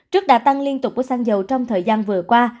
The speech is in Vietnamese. trước đà tăng liên tục của xăng dầu trong thời gian vừa qua